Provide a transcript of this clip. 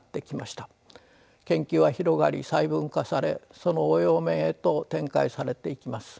研究は広がり細分化されその応用面へと展開されていきます。